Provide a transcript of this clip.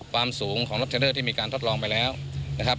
ความสูงของล็อที่มีการทดลองไปแล้วนะครับ